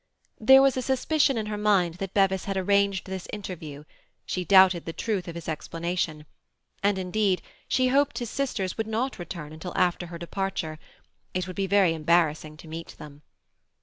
There was a suspicion in her mind that Bevis had arranged this interview; she doubted the truth of his explanation. And indeed she hoped that his sisters would not return until after her departure; it would be very embarrassing to meet them.